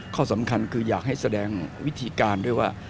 ข้อสำคัญคืออยากให้แสดงวิธีการด้วยว่า